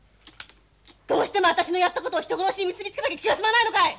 どうしても私のやった事を人殺しに結び付けなきゃ気が済まないのかい！